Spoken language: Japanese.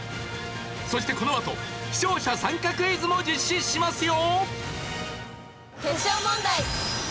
そしてこのあと視聴者参加クイズも実施しますよ。